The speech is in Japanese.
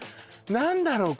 何だろう